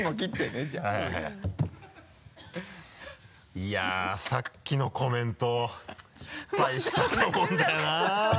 「いやっさっきのコメント失敗したと思うんだよな」